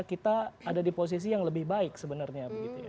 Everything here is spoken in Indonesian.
kita ada di posisi yang lebih baik sebenarnya